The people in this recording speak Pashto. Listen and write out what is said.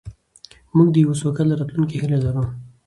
موږ د یوې سوکاله راتلونکې هیله لرو.